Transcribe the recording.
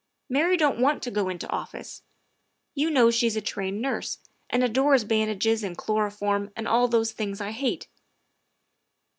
Mary don't want to go into office; you know she's a trained nurse, and adores bandages and chloroform and all those things I hate.